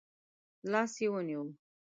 لاس يې ونیو.